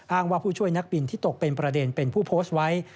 ว่าผู้ช่วยนักบินที่ตกเป็นประเด็นเป็นผู้โพสต์ไว้